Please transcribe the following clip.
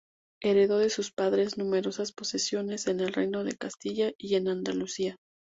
Heredó de sus padres numerosas posesiones en el reino de Castilla y en Andalucía.